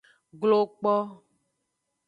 Glo kpo.